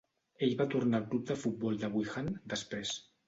Ell va tornar al club de futbol de Wuhan després.